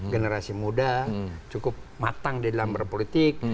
generasi muda cukup matang di dalam berpolitik